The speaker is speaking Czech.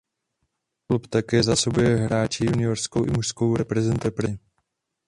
Klub také zásobuje hráči juniorskou i mužskou reprezentaci.